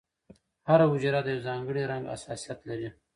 هره حجره د یو ځانګړي رنګ حساسیت لري.